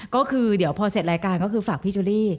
ก็คือเดี๋ยวพอเสร็จรายการก็คือฝากพี่เชอรี่